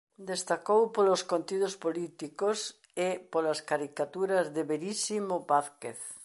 Destacou polos contidos políticos e polas caricaturas de Verísimo Vázquez.